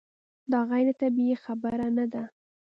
دا غیر طبیعي خبره نه ده.